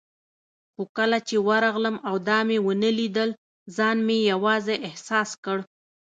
خو کله چې ورغلم او دا مې ونه لیدل، ځان مې یوازې احساس کړ.